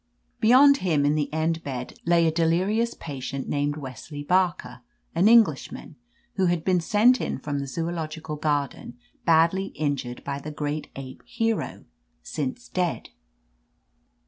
Beyond 193 THE AMAZING ADVENTURES him, in the end bed, lay a delirious patient named Wesley Barker, an Englishman, who had been sent in from the Zoological Garden, badly injured by the great ape, Hero, since dead.